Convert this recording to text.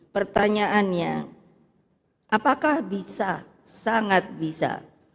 pertanyaannya apakah bisa sangat bisa